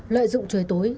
lợi dụng trời tối